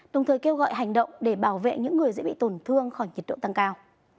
đồng thời kêu gọi hành động để bảo vệ những người dễ bị tổn thương khỏi nhiệt độ tăng cao